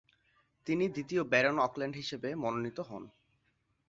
তিনি দ্বিতীয় baron Auckland হিসেবে মনোনীত হন।